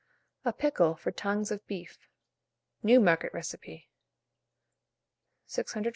A PICKLE FOR TONGUES OR BEEF (Newmarket Recipe).